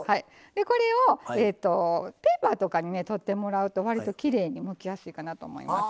これをペーパーとかにねとってもらうと割ときれいにむきやすいかなと思います。